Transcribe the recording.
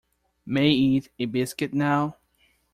May eat a biscuit now.